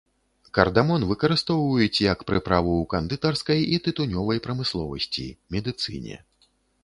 Кардамон выкарыстоўваюць як прыправу ў кандытарскай і тытунёвай прамысловасці, медыцыне.